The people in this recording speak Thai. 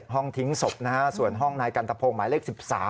ห้องทิ้งศพนะฮะส่วนห้องนายกันตะพงศ์หมายเลข๑๓